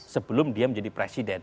sebelum dia menjadi presiden